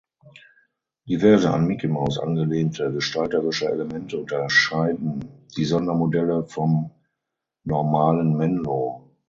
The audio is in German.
Diverse an Micky Maus angelehnte gestalterische Elemente unterscheiden die Sondermodelle vom normalen Menlo.